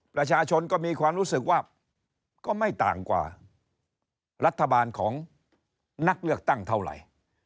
ประชาชนก็มีความรู้สึกว่าก็ไม่ต่างกว่ารัฐบาลของนักเลือกตั้งเท่าไหร่